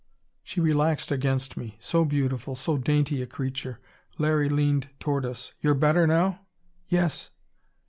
She relaxed against me. So beautiful, so dainty a creature. Larry leaned toward us. "You're better now?" "Yes."